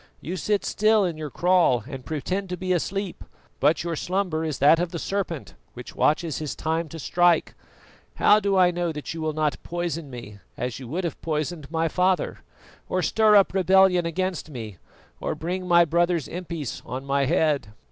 You sit still in your kraal and pretend to be asleep, but your slumber is that of the serpent which watches his time to strike. How do I know that you will not poison me as you would have poisoned my father, or stir up rebellion against me, or bring my brother's impis on my head?"